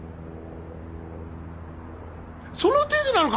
その程度なのか？